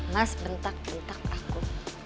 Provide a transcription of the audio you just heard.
mas bentak bentak aku